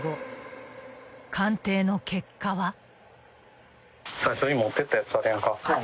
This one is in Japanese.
［鑑定の結果は］